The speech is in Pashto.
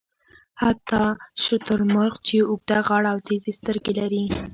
حتی شترمرغ چې اوږده غاړه او تېزې سترګې لري.